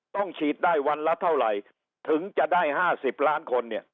ฉีดได้วันละเท่าไหร่ถึงจะได้๕๐ล้านคนเนี่ย